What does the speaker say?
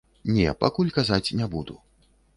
Не, пакуль казаць не буду.